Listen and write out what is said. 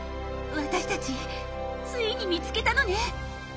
私たちついに見つけたのね！